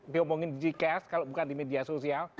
diomongin di gks kalau bukan di media sosial